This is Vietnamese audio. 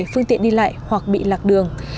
phương tiện đi lại hoặc bị lạc đường